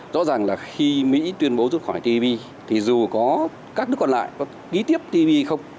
rõ ràng là khi mỹ tuyên bố rút khỏi tv thì dù có các nước còn lại có ký tiếp hay không